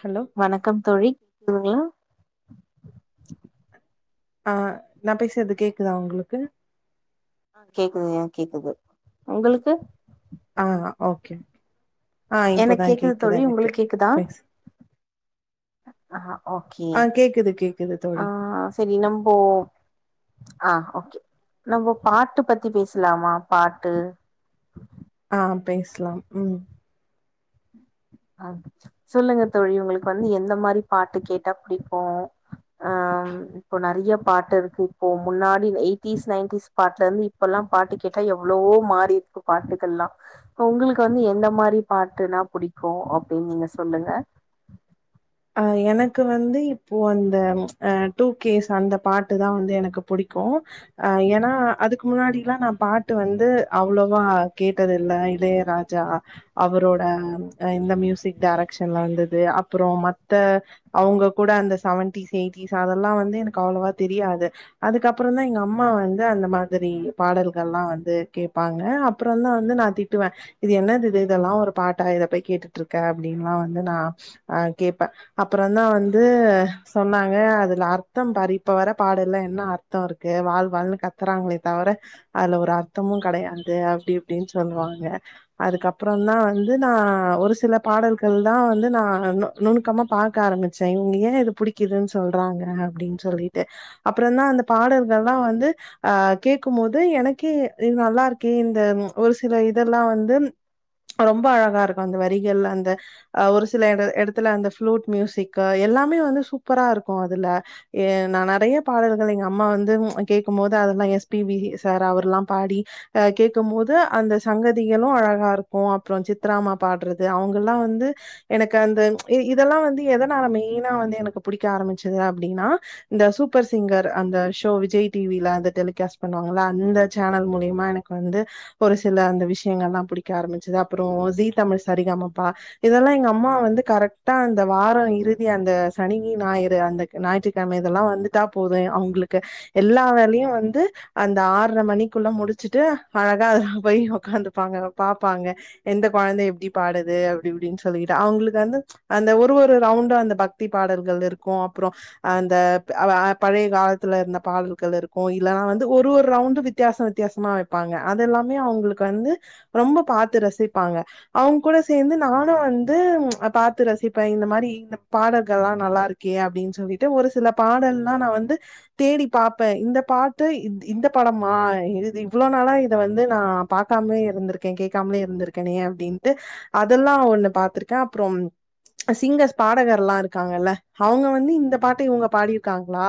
hello வணக்கம் தோழி [unintelligible] ஆ நா பேசரது கேக்குதா உங்களுக்கு ஆ கேக்குதுங்க கேக்குது உங்களுக்கு ஆ ஓகே ஆ எனக் இப்போதா கேக்குது தோழி எனக்கு உங்களுக் கேக்குதா பேசு ஆ ஓகே ஆ கேக்குது கேக்குது ஆ தோழி சரி நம்போ ஆ ஓகே நம்ம பாட்டு பத்தி பேசலாமா பாட்டு ஆ பேஸ்லாம் ம் அ சொல்லுங்க தோழி உங்களுக்கு வந்து எந்த மாரி பாட்டு கேட்டா புடிக்கு ஆ இப்போ நறைய பாட்டு இருக்கு இப்போ முன்னாடி எயிட்டிஸ் நைன்டிீஸ் பாட்ல இருந்து இப்பல்லா பாட்டு கேட்டா எவ்வளவோ மாறி இருக்கு பாட்டுகல்லா உங்களுக்கு வந்து எந்த மாரி பாட்டுனா புடிக் கு‌ அப்டின்னு நீங்க சொல்லுங்க ஆ எனக்கு வந்து இப்போ அந்த அ டூ கேஸ் அந்த பாட்டு தா வந்து எனக்கு புடிக்கு ஆ ஏனா அதுக் கு முன்னாடிெல்லா நா பாட்டு வந்து அவ்ளோவா கேட்டதில்ல இளையராஜா அவரோ இந்த மியூசிக் டைரக்ஷன்ல வந்தது அப்புற மத் த அவங்க கூட அந்த செவன்டீஸ் எயிட்டிஸ் அதெல்லா வந்து எனக்கு அவ்ளவா தெரியாது அதுக்கப்புற தான் எங்க அம்மா வந்து அந்த மாதிரி பாடல்கள் எல்லா வந்து கேட்பாங்க அப்புற தா வந்து நா திட்டுவ இது என்னது இது இதெல்லா ஒரு பாட்டா இத போய் கேட்டுட்டு இருக்க அப்படின்னுல்லா வந்து நா ஆ கேப் அப்புற தா வந்து சொன்னாங்க அதுல அர்த்தம் பாரு இப்ப வர பாடல்ல என்ன அர்த்த ம் இருக்கு வாழ்வால்னு கத்துறாங்களே தவர அதுல ஒரு அர்த்தமு கடையாது அப்டி இப்டின்னு சொல்லுவாங்க ட அதுக்கப்புற தா வந்து நா ஒரு சில பாடல்கள் தா வந்து நா நுணுக்கமா பார்க்க ஆரம்பிச்சே இவங்க ஏ இது புடிக்குதுன்னு சொல்றாங்க அப்டின் சொல்லிட்டு அப்புற தா த பாடல்கல்லா வந்து ஆ கேட்கும்போது எனக்கே இது நல்லா இருக்கு இந்த ஒரு சில இதெல்லா வந்து ரொம்ப அழகா இருக்கு அந்த வரிகள் அந்த ஒரு சில எட எடத் துல அந்தப்லூட்மியூசிக்கு எல்லாமே வந்து சூப்பரா இருக்கு அதுல நா நறைய பாடல்களை எங்க அம்மா வந்து கேட்க்கும்போது அதெல்லா எஸ் பி பி சார் அவர் எல்லா பாடி ஆ கேட்கும் போது அந்த சங்கதிகளு அழகா இருக்கு அப்புற சித்ராமா பாட்றது அவங்கல்லா வந்து எனக்கு அந்த இதெல்லா வந்து எதனால மெயினா வந்து எனக்கு புடிக்க ஆரம்பிச்சது அப்டின்னா இந்த சூப்பர் சிங்கர் அந்த ஷோ விஜய் டிவில அந்து டெலிகாஸ் பண்ணுவாங்கள அந்த சேனல் மூலியமா எனக்கு வந்து ஒரு சில அந்த விஷயங்கள் எல்லா பேடிக்க ஆரம்பிச்சது அப்புற ஜி தமிழ் சரிகமப்பா இதெல்லா எங்க அம்மா வந்து கரெக்ட் டா அந்த வார இறுதி அந்த சனி ஞாயிறு அந்த ஞாயிற்றுக்கிழம இதெல்லா வந்துட்டா போது அவங்களுக்கு எல்லா வேலையு வந்து அந்த ஆற்ர மணிக்குள்ள முடிச்சுட்டு அழகா அதல போய் உ்காந்துப்பாங்க பாப்பாங்க எந்த கு குழந்த எப்டி பாடுது அப்டி இப்டின்னு சொல்லிட்டு அவங்களுக்கு வந்து அந்த ஒரு ஒரு ரவுண்டு அந்த பக்தி பாடல்கள் இருக்கு அப்புற அந்த பழைய காலத்தில இருந்த பாடல்கள் இருக்கு இல்லனா வந்து ஒரு ஒரு ரவுண்டு வித்தியாச வித்தியாசமா வைப்பா ங்கா அதெல்லாமே அவங்களுக்கு வந்து ரொம்ப பாத்து ரசிப்பாங்க அவங்க கூட சேந்து நானு வந்து வந்து பாத் த்து ரசிப்ப இந்த மாரி இந்த பாடகள் எலா நல்லா இருக்கே அப்டின்னு சொல்லிட்டு ஒரு சில பாடல்லா நா வந்து தேடி பாப்பே இந்த பாட்டு இந்த படமா இ இவ்ளே நாளா இத வந்து நா பா பாக்காமலே இருந்திருக்கே கேட்காமலே இருந்திருக்கேனே அப்டின்ட்டு அதெல்லா ஒண்ணு பாத்திருக்கே அப்புறம் சிங்கர்ஸ் பாடகர் எல்லா இருக்காங்கல்ல அவங்க வந்து இந்த பாட்ட இவங்க பாடிருக்காங்களா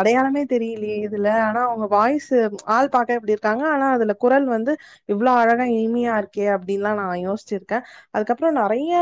அடையாளமே தெரிலயே இதுல ஆனா அவங்க வாய்சு ஆள் பாக்க இப்டி இருக்காங்க ஆனா அதுல குரல் வந் து இவ்ளோ அழகா இனிமையா இருக்கே அப்டினு லா நா யோசிச்சிருக்க அதுக்கப்றோ நறைய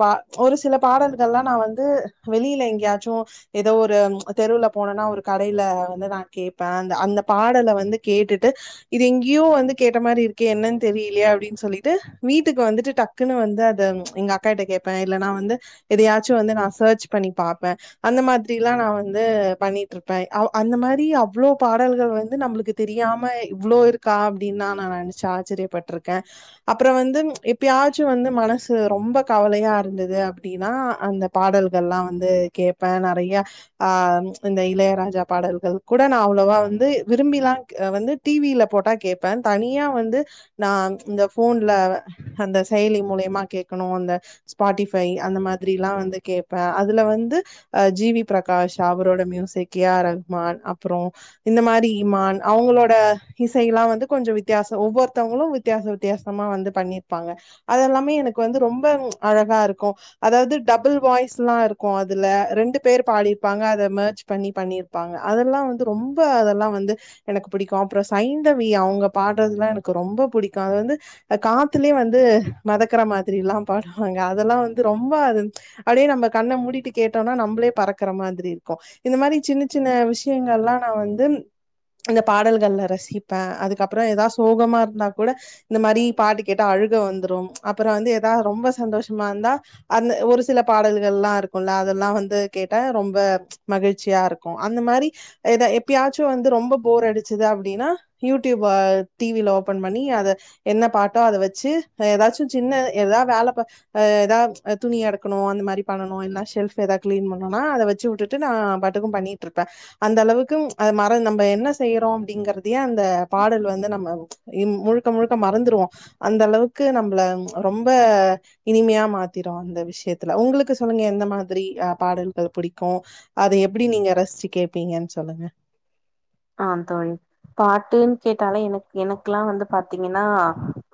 ப ஒரு சில பாடல்கள்லா நா வந்து வெளில எங்கயாச்சு எதோ ஒரு தெருவுல போன ன்னா ஒரு கடையில வந்து நா கேட்ப அந் அந்த பாடல வந்து கேட்டுட்டு இது எங்கியோ வந்து கேட்ட இந்த மாரி இருக்கே என்னானு தெரிலயே அப்டின்னு சொல்லிட்டு வீட்டுக்கு வந்துட்டு டக்குன்னு வந்து அத எங்க அக்காட்ட கே ப்ப இல்லனா வந்து எதையாச்சு வந்து நா சர்ச் பண்ணி பாப்ப அந்த மாதிரிலா நா வந்து பண்ணி டுருப்ப அவ் அந்த மாரி அவ்ளோ பாடல்கள் வந்து நம்மள்க்கு தெரியாம இவ்ளோ இருக்கா அப்டின் நான நா நெனச்சு ஆச்சிரியப்பட்ருக்க அப்ற வந்து எப்பயாச்சு வந்து மனசு ரொம்ப கவலையா இருந்தது அப்டின்னா அந்த பாடல்கள்லா வந்து கேப்ப நெறையா ஆ இந்த இள யராஜா பாடல்கள் கூட நா அவ்ளோவா வந்து விரும்பிலா க வந்து டி வி ல போட்டா கேப்ப தனியா நா வந்து நா இந்த ஃபோன்ல அந்த செயலிங் மூலியமா கேக்கணு அந்த ஸ்பாட்டிஃபை அந்த மாதிரிலா வந்து கேப்ப அதுல வந்து அ ஜி வி பிரகாஷ் அவரோட music A R Rahman அப்றோ இந்த மாரி இமான் அவங்களோட இசைலா வந்து கொஞ்சோ வித் வித்தியாச ஒவ்வொருத்தவங்களு வித்தியாச வித்தியாசமா வந்து பண்ணிருப்பாங்க அதெல்லாமே எனக்கு வந்து ரொம்ப அழகா இருக்கு அதாவது டபுள் வாய்ஸ்ல்லா இருக்கு அதுல ரெண்டு பேர் பாடிர்ப்பாங்க அத மா பண்ணி பண்ணிருப்பாங்க அதெல்லா வந்து ரொம்ப அதெல்லா வந்து எனக்கு புடிக்கு அப்றோ சைந்தவி அவுங்க பா பாடுறதுனா எனக்கு ரொம்ப புடிக்கு அது வந்து காத்துலே வந்து மெதக்குற மாதிரிலா பாடு வாங்க அதெல்லா வந்து ரொம்ப அது அப்டியே நம்ம கண்ண மூடிட்டு கேட்டோனா நம்பளே பறக்குற மாதிரி இருக்கு இந்த மாரி சின்ன சின்ன விஷயங்கள்லா நா வந்து அந்த பாடல்கள்ல ரசிப்ப அதுக்கப்றோ எதா சோகமா இருந்தா கூட இந்த மாரி பாட்டு கேட்டா அழு ழுக வந்துரும் அப்றோ வந்து எதா ரொம்ப சந்தோஷமா இருந்தா அந்த ஒரு சில பாடல்கள்லா இருக்குல்ல அதெல்லா வந்து கேட்டா ரொம்ப மகிழ்ச்சியா இருக்கு அந்த மாரி எதா எப்பயாச்சு வந்து ரொம்ப போர் அடிச்சுது அப்டின்னா யூடியூபா அ டி வில ஓபன் பண்ணி அத என்ன பாட்டோ அத வச்சு ஹ எதாச்சு சின்ன எதா வேல பாத் அ எதா அ துணி எடுக்கணு அந்த மாரி பண்ணணு இல்ல ஷெல்ஃப் எதா கிளீன் பண்ணுனா அத வெச்சு வுட்டுட்டு நா நா பாட்டுக்கு பண்ணிட்டுருப்ப அந்த அளவுக்கு அ மற நம்ப என்ன செய்றோ அப்டிங்கறதே அந்த பாடல் வ வந்து நம்ம இ முழுக்க முழுக்க மறந்துருவோ அந்த அளவுக்கு நம்மள ரொம்ப இனிமையா மாத்திரு அந்த விஷயத்துல உங்களுக்கு சொல்லுங்க எந்த மாதிரி அ பாடல்கள் புடிக்கு அது எப்டி நீங்க ரசுச்சு கேப்பீங்கன்னு சொல்லுங்க ஆம் தோழி பாட்டுன் கேட்டாலே எனக் எனகுல்லா வந்து பாத் த்தீங்கன்னா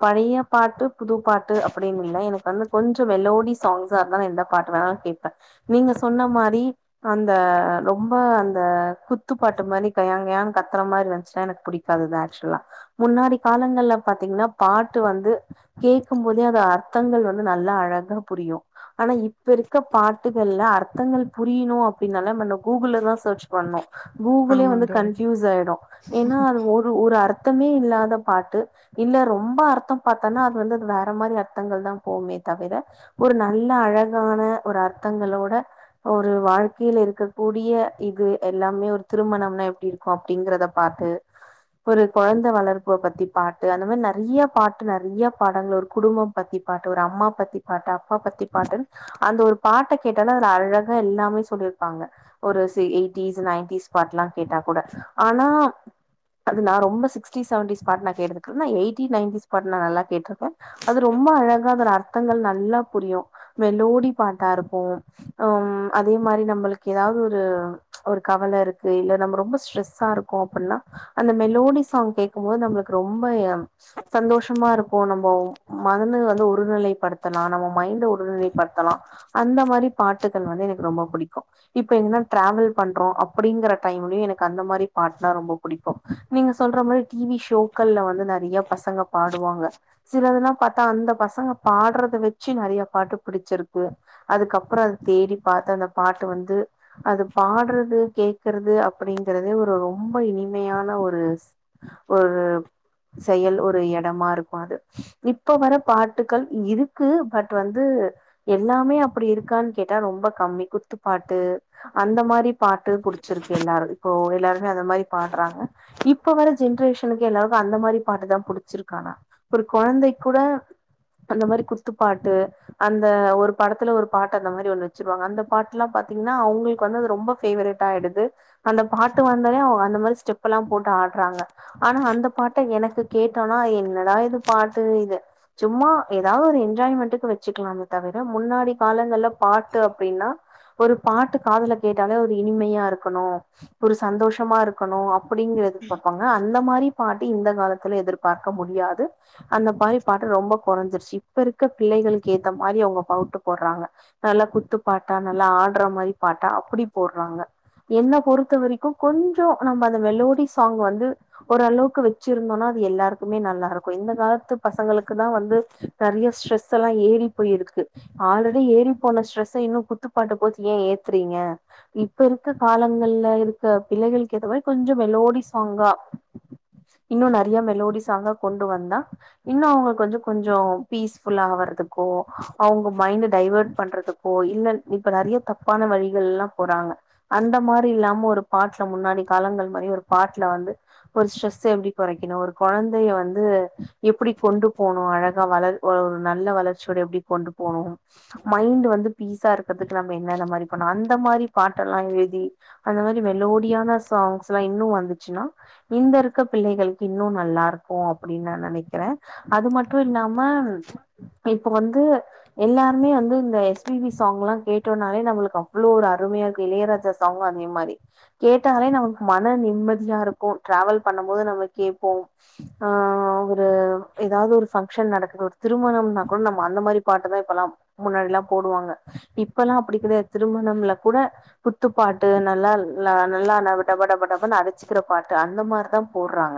பழய பாட்டு புது பாட்டு அப்டின்னு இல்ல எனக்கு வந்து கொஞ்சோ வெலோடி சாங்ஸா இருந்தா நா எந்த பாட்டு வேணாலு கேட்ப நீங்க சொன்ன மாரி அந்த ரொம்ப அந்த குத் த்துப்பாட்டு மாநி கயாங் கயான் கத்துற மாரி வந்ச்சுனா எனக்கு புடிக்காதுதா ஆக்சுவலா முன்னாடி காலங்கள்ல பாத்தீங் ங்னா பாட்டு வந்து கேக்கும்போதே அது அர்த்தங்கள் வந்து நல்லா அழகா புரியு ஆனா இ இப்ப இருக்க பாட்டுகள்ல அர்த்தங்கள் புரியணு அப்டின்னால நமன கூகுள்லதா சர்ச் பண்ணு கூகுளே ஆமாங் வந்து தோழி கன்ஃபியூஸ் ஆயிடு ஏன்னா அது ஒரு ஒரு அர்த் த்தமே இல்லாத பாட்டு இல்ல ரொம்ப அர்த்தோ பாத்தன்னா அது வந்து அது வேற மாரி அர்த்தங்கள்தா போகுமே தவிர ஒரு நல்ல அழகான ஒரு அர்த்தங்களோட ஒரு வாழ்க்கையில இருக்கக் கூ கூடிய இது எல்லாமே ஒரு திருமணம்னா எப்டி இருக்கு அப்டிங்கறத பாத்து ஒரு கொழந்த வளர்ப்ப பத்தி பாட்டு அந்த மாரி நெறய்ய பாட்டு நெறய்ய பாடல்கள் ஒரு குடும்பம் பத்தி தி பாட்டு ஒரு அம்மா பத்தி பாட்டு அப்பா பத்தி பாட்டுன் அந்த ஒரு பாட்ட கேட்டால அதுல அழகா எல்லாமே சொல் ருப்பாங்க ஒரு செ எயிட்டிஸ் நைன்டீஸ் பாட்லா கேட்டா கூட ஆனா அது நா ரொம்ப சிக்ஸ்டிஸ் செவண்டீஸ் பாட் நா கேட்ருக்குற நா எயிட்டீ நையன்டீஸ் பாட்லா நல்லா கேட்ருக்க அது ரொம் ம்ப அழகா அதோட அர்த்தங்கள் நல்லா புரியு மெலோடி பாட்டா இருக்கு அம் அதே மாரி நம்ளுக்கு எதாவ்து ஒரு ஒரு கவல இருக்கு இல்ல நம்ம ரொம்ப ஸ்ட்ரெஸ்ஸா இருக்கோ அப்டின்னா அந்த மெலோடி சாங் கேக்கும்போது நம்மளுக் ரொம்ப எம் சந்தோஷமா இருக்கு நம்ம மனநில வந்து ஒருநிலைப்படுத்தலா நம்ம மைண் ண்ட ஒரு நிலைப்படுத்தலா அந்த மாரி பாட்டுகள் வந்து எனக்கு ரொம்ப புடிக்கு இப்ப என்னனா டிராவல் பண்றோ அப்படிங்கற டைம்லயு எனக்கு அந்த மாரி பாட்னா ரொம்ப புடிக்கு நீங்க சொல்ற மாரி டி வி ஷோ க்கெல்ல வந்து நெறைய பசங்க பாடுவாங்க சிலதுலா பாத்தா அந்த பசங்க பாடுறத வச்சு நெறை ய பாட்டு புடிச்சிருக்கு அதுக்கப்பறோ அது தேடி பாத்து அந்த பாட்டு வந்து அது பாடுறது கேக்கறது அப்படிங்கறதே ஒரு ரொம்ப இனிமையான ஒரு ஒரு ரு செயல் ஒரு எடமா இருக்கு அது இப்ப வர பாட்டுகள் இருக்கு பட் வந்து எல்லாமே அப்படி இருக்கான் கேட்டா ரொம்ப கம்மி குத்துப்பாட்டு அந்த மாரி பாட்டு புடிச்சிருக்கு எல்லாரு இப்போ எல்லாரு அந்த மாரி பாடுறாங்க இப்ப வர ஜெனரேஷனுக்கு எல்லாருக்கு அந்த மாரி பாட்டு தா புடிச்சிருக்கு ஆனா ஒரு கொழந்தைக்கு கூட அந்த மாரி குத்துப்பாட்டு அந்த ஒரு படத்துல ஒரு பாட்டு அந்த மாரி ஒண்ணு வச்சிருவாங்க அந்த பாட்டு எல்லா பாத் பாத்தீங்கன்னா அவங்களு க்கு வந்து அது ரொம்ப பேவரட் ஆயிடுது அந்த பாட்டு வந்தாலே அவங்க அந்த மாதிரி ஸ்டெப் எல்லாம் போட்டு ஆடுறாங்க ஆனா அந்த பாட்டை எனக்கு கேட்டோனா என்னடா இது பாட்டு இது சும்மா ஏதாது ஒரு இன் என்ஜாய்மென்டுக்கு வச்சுக்கலாம தவிர முன்னாடி காலங்கள்ல பாட்டு அப்டின்னா ஒரு பாட்டு காதுல கேட்டாலே ஒரு இனிமையா இருக்கணு ஒரு சந்தோஷமா இருக்க க்கணு அப்டிங்கறது பாப்பாங்க அந்த மாரி பாட்டு இந்த வருங்காலத்துல எதிர்பாக்க முடியாது அந்த மாரி பாட்டு ரொம்ப குறைஞ்சிருச்சு இப்ப இருக்க பிள்ளைகளுக்கு ஏத்தமா மாரி அவங்க பவுட்டு போடுறாங்க நல்லா குத்துப்பாட்டா நல்லா ஆடுற மாரி பாட்டா அப்படி போடுறாங்க என்ன பொறுத்த வரைக்கு கொஞ்சோ நம்ம அந்த மெலோடி சாங் வந்து ஓரளவுக்கு வச்சிருந்தோனா எல்லாருக்குமே நல்லா இருக்கு இந்த காலத்து பசங்களுக்கு தா வந்து நெறைய ஸ்ட்ரெஸ் எல்லா ஏறி போயிருக்கு ஆல்ரெடி ஏறி போன ஸ்ட்ரெஸ் இன்னும் குத்துப்பாட்ட போட்டு ஏன் த்ரிங்க இப்ப இருக்க காலங்கள்ல இருக்க பிள்ளைகளுக்கு ஏத்த மாரி கொஞ்சோ மெலோடி சாங்கா ம் இன்னு நெறைய மெலோடி சாங்கா கொண்டு வந்தா இன்னு அவங்களுக்கு கொஞ்சோ கொஞ்சோ பீஸ்ஃபுல்லா வ றக்கோ அவங்க மைண்ட் டைவர்ட் பண்றதுக்கோ இல்ல இப்ப நெறைய தப் தப்பான வழிகள் எல்லா போறாங்க அந்த மாரி இல்லாம ஒரு பாட்ல முன்னாடி காலங்கள் மாரி ஒரு பாட்ல வந்து ஒரு ஸ்ட்ரெஸ எப்டி கொறைக்கணு ஒரு கொழந்தைய வந்து எப்டி கொண்டு போனு அழகா வ ளர் ஒ ஒரு நல்லா வளர்ச்சி ஓட எப்டி கொண்டு போனும் மைண்டு வந்து பீஸா இருக்கர்துக்கு நம்ப என்ன என்ன என்ன மாரி பண்ணு அந்த மாரி பாட் டெலா எழுதி அந்த மாரி மெலோடியான சாங்ஸ்லா இன்னு வந்துச்சுன்னா இந்த இருக்க பிள்ளை களுக்கு இன்னு நல்லா இருக்கு அப்டினு நா நெனைக்கிறே அது மட்டு இல்லாம ம இப்ப வந்து எல்லாருமே வந்து இந்த எஸ் பி பி சாங் எல்லா கேட் டோனாலே நம்மளுக்கு அவ்ளோ ஒரு அருமையா இருக்கு இளையராஜா சாங் அதே மாரி கேட்டாலே நமக்கு மன நிம் மதியா இருக்கு டிராவல் பண்ணும் போது நம்ம கேப்போ ஒரு ஏதாது ஒரு ஃபங் ஷன் நடக்குற ஒரு திருமணம்னா கூட நம்ம அந்த மாரி பாட்டு தா இப்பெல்லா முன்னாடில்லா போடுவாங்க இப் ப்பல்லா அப்டி கெடையாது திருமணம்ல கூட குத்துப்பாட்டு நல்லா நல்லா டப டப டபனு அடிச்சுக்கிற பாட்டு அந்த மாரிதா போடுறாங்க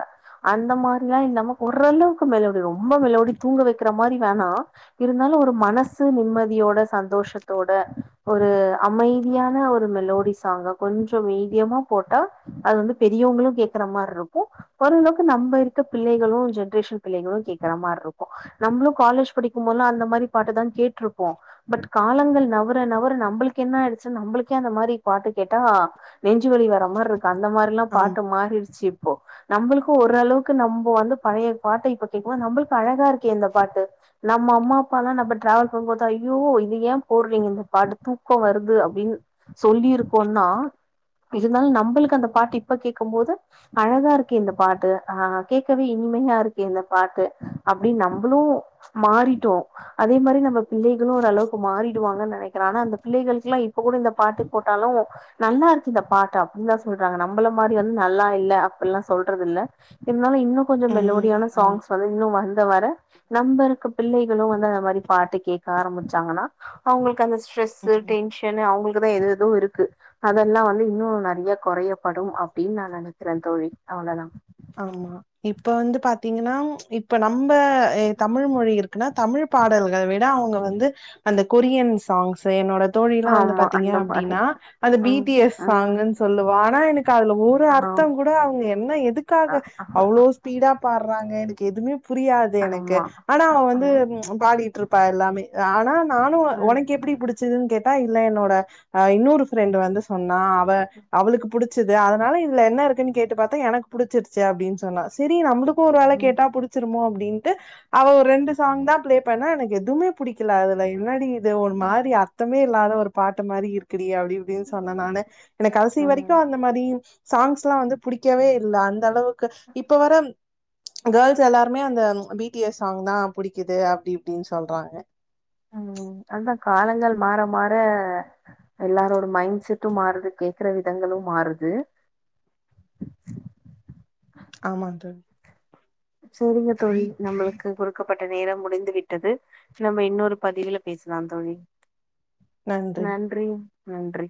அந்த மாரிலா இல்லாம ஓரளவுக்கு மெலோடி ரொம்ப மெலோடி தூங்க வைக்கிற மாரி வேணா இருந்தா ஒரு மனசு நிம்மதியோட சந்தோஷத்தோட ஒரு அமைதியான ஒரு மெலோடி சாங்கா கொஞ்ச மீடியமா போட்டா அது வந்து பெரியவங்களு கேக்குற மாரி இருக்கு ஓரளவுக்கு நம்ம இருக்க பிள்ளைகளு ஜென்ரேஷன் பிள்ளைகளு கேக்ரமாரி இருக்கு நம்மளு காலேஜ் படிக்கும்போதுல அந்த மாரி பாட்டு தா கேட்டிருப்போம் பட் காலங்கள் நவ நவர நவர நம்பளுக்கு என்ன ஆயிடுச்சுன்னா நம்மளுக்கே அந்த மாரி பாட்டு கேட்டா நெஞ்சுவலி வர மாரி இருக்கு அந்த மாதிரிலா ஆமா பாட்டு மாறிடுச்சு இப்போ நம்பளுக்கு ஓரளவுக்கு நம்ப வந்து பழைய பாட்ட இப்ப கேக்கும்போது நம்பளுக்கு அழகா இருக்கே இந்த பாட்டு நம்ம அம்மா அப்பா லா நம்ப டிராவல் பண்ணும் போது ஐயோ இது ஏ போடுறீங்க இந்த பாட்டு தூக்க வருது அப்டின் சொல்லிருக்கோனா இருந்தாலு நம்பளுக்கு அந்த பாட்டு இப்ப கேக்கும் போது அழகா இருக்கு இந்த பாட்டு ஆ கேக்கவே இனி மையா இருக்கு இந்த பாட்டு அப்டினு நம்பளு மாறிட்டோ அதே மாரி நம்ப பிள்ளைகளு ஓரளவுக்கு மாறிடுவாங்கனு நெனைக் கிறே ஆனா அந்த பிள்ளைகளுக்கு எல்லா இப்ப கூட இந்த பாட்டு போட்டாலு நல்லா இருக்கு இந்த பாட்டு அப்படினு தா சொல்றாங்க நம்பள மாரி வந்து நல்லா இல்ல அப்பல்லா சொல்றது இல்ல இருந்தாலு இன்னு கொஞ்சோ ம் மெலோடியான ஆமா சாங்ஸ் வந்து இன்னு வந் தவற நம்பருக்க பிள்ளைகளு வந்து அத மாரி பாட்டு கேக்க ஆரம்பிச்சாங்கன்னா அவங்களுக்கு அந்த ஸ் ஸ்ட்ரெஸ்ஸூ ம் டென்ஷனு அவங்களுக்கு தா எது அது இருக்கு அதெல்லா வந்து இன்னு நறைய கொறயப்படும் அப்டின் நா நெனைக்கிறே தோழி அவ்ளதா ஆமா இப்ப வந்து பாத்தீங்கன்னா இப்ப நம்ம எ தமிழ்மொழி இருக்குன்னா தமிழ் பாடல்கள் விட அவங்க வந்து அந்த கொரியன் சாங்ஸ் என்னோட தோழிலா வந்து ஆமா பாத்தீங்க அந்த மாரி அப்டின்னா அந்த ம் பிடி எஸ் ம் சாங்ன்னு சொல்லுவா ஆனா எனக்கு அதுல ஒரு அர்த் ர்த்தங்கூட அவங்க என்ன ஆ எதுக்காக அவ்ளோ ஸ்பீடா பாட்றாங்க எனக்கு எதுமே புரியாது எனக்கு ஆமா ஆனா அவ வந்து ம் பாடிட்ருப்பா எல்லாமே ஆனா நானு ம் ஒனக்கு எப் ப்டி புடிச்சுதுன் கேட்டா இல்ல என்னோட அ இன்னொரு ஃபிரெண்டு வந்து சொன்னா அவ அவுளுக்கு புடிச் சுது அதனால இதுல என்ன இருக்குன் கேட்டு பாத்தே எனக் புடிச்சிருச்சு அப்டின் சொன்னா சரி நம்ளுக்கு ஒரு வேல ம் கேட்டா புடிச்சிருமோ அப்டின்ட்டு அவ ஒரு ரெண்டு சாங் தா தா ப்ளே பண்ணா எனக்கு எதுமே புடிக்கல அதுல என்னாடி இ து ஒரு மாரி அர்த்தமே இல்லாத ஒரு பாட்டு மாரி இருக்கு டி அப்டி இப்டின் சொன்னே நானு எனக் கடைசி வரைக்கு ம் அந்த மாரி சாங்ஸ்லா வந்து புடிக்கவே இ இல்ல அந்த அளவுக்கு இப்ப வர கேர்ள்ஸ் எல்லாருமே அந்த பிடிஎஸ் சாங் தா புடிக்குது அப்டி இப்டின் சொல்றாங்க ம் அதா காலங்கள் மாற மாற எல்லாரோட மைண்ட் செட்டு மாறுது கேக்ற விதங்களு மாறுது ஆமாங் தோழி சேரிங்க தோழி நம்முளுக்கு குடுக்கப்பட்ட நேரம் முடிந்து விட்டது நம்ம இன்னொரு பதிவுல பே ஸ்லா தோழி நன்றி நன்றி